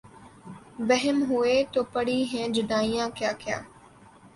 بہم ہوئے تو پڑی ہیں جدائیاں کیا کیا